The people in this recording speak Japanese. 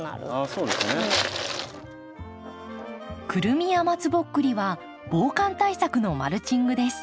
クルミや松ぼっくりは防寒対策のマルチングです。